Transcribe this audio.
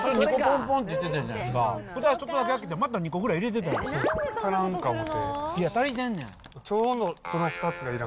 ふたちょっとだけ開けて、また２個ぐらい入れてたやろ。